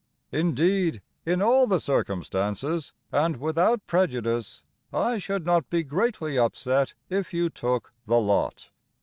Indeed, in all the circumstances (And without prejudice), I should not be greatly upset If you took the lot.